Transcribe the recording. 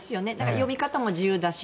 読み方も自由だし。